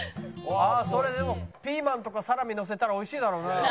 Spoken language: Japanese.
ああそれでもピーマンとかサラミのせたら美味しいだろうなあ。